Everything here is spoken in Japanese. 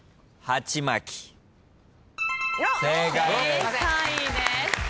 正解です。